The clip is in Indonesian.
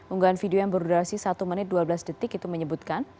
unggahan video yang berdurasi satu menit dua belas detik itu menyebutkan